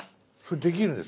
できるんです。